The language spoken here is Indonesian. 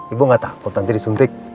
ibu gak takut nanti disuntik